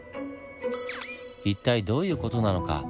一体どういう事なのか？